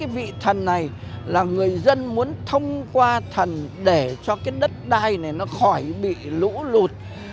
vị thần này là người dân muốn thông qua thần để cho cái đất đai này nó khỏi bị lũ lụt